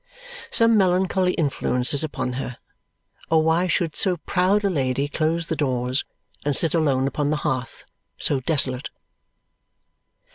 Some melancholy influence is upon her, or why should so proud a lady close the doors and sit alone upon the hearth so desolate?